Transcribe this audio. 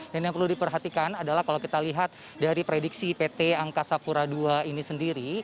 dan yang perlu diperhatikan adalah kalau kita lihat dari prediksi pt angkasa pura ii ini sendiri